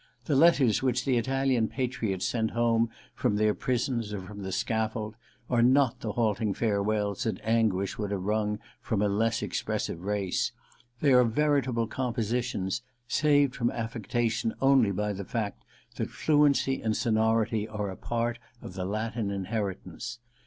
The letters which the Italian^ patriots sent home from their prisons or from the scaffold are not the halting farewells that anguish would have wrung from a less expres sive race : they are veritable * compositions/ saved from affectation only by the fact that fluency and sonority are a part of the Latin inheritance.